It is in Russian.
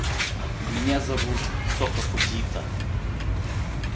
Меня зовут Соко Фудзита.